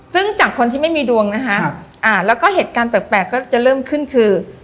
ซึ่งจากคนที่ไม่มีดวงนะคะแล้วก็เหตุการณ์แปลกก็จะเริ่มขึ้นคือ